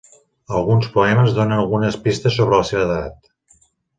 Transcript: Alguns poemes donen algunes pistes sobre la seva edat.